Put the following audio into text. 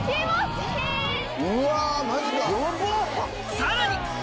・さらに！